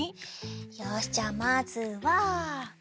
よしじゃあまずは。